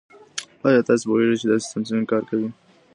آیا تاسو پوهیږئ چي دا سیستم څنګه کار کوي؟